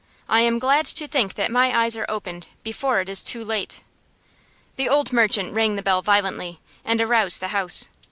I am glad to think that my eyes are opened before it is too late." The old merchant rang the bell violently, and aroused the house.